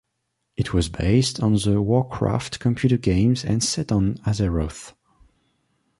It was based on the "Warcraft" computer games and set on Azeroth.